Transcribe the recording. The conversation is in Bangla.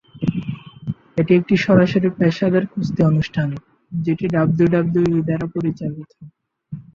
এটি একটি সরাসরি পেশাদার কুস্তি অনুষ্ঠান, যেটি ডাব্লিউডাব্লিউই দ্বারা পরিচালিত।